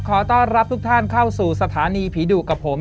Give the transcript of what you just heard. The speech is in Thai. ขอต้อนรับทุกท่านเข้าสู่สถานีผีดุกับผม